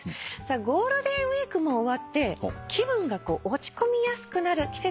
ゴールデンウイークも終わって気分が落ち込みやすくなる季節かなと思います。